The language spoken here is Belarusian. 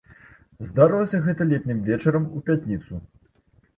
Здарылася гэта летнім вечарам у пятніцу.